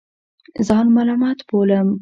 ځان ملامت بولم.